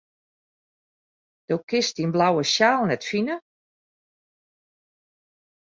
Do kinst dyn blauwe sjaal net fine.